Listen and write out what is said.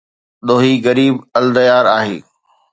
ڏوهي غريب الديار آهي